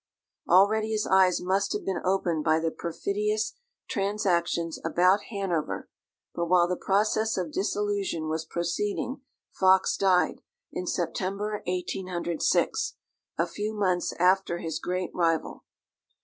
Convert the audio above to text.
Already his eyes must have been opened by the perfidious transactions about Hanover; but while the process of disillusion was proceeding, Fox died, in September 1806, a few months after his great rival.